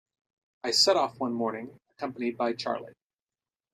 I set off one morning, accompanied by Charley.